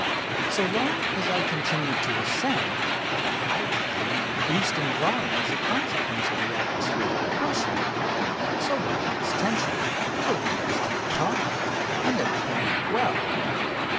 So long as I continued to ascend the hydrogen increased in volume as a consequence of the atmospheric depression. So by its tension the balloon was kept taut, and everything went well.